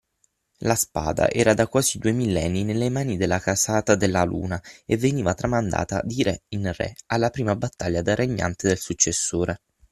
la spada era da quasi due millenni nelle mani della casata Della Luna e veniva tramandata di re in re, alla prima battaglia da regnante del successore.